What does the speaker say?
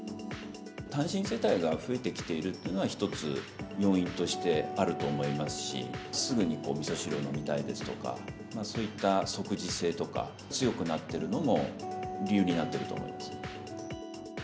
単身世帯が増えてきているというのが一つ要因としてあると思いますし、すぐにみそ汁を飲みたいですとか、そういった即時性とか、強くなってるのも理由になってると思います。